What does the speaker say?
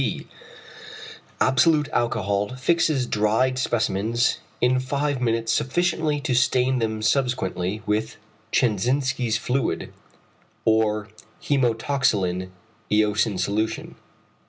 b. Absolute alcohol fixes dried specimens in five minutes sufficiently to stain them subsequently with Chenzinsky's fluid, or hæmatoxylin eosin solution.